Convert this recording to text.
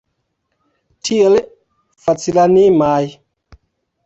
Tiel facilanimaj!